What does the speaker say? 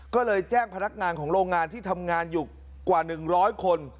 ก็เลยแจ้งพนักงานของโรงงานที่ทำงานอยู่กว่า๑๐๐คน